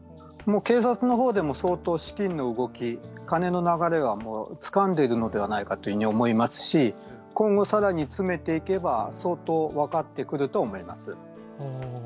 警察の方でも相当、資金の動き、金の流れはつかんでいるのではないかというふうに思いますし今後更に詰めていけば相当分かってくると思います。